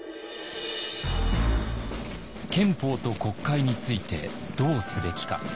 憲法と国会についてどうすべきか。